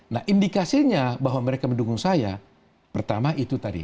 nah indikasinya bahwa mereka mendukung saya pertama itu tadi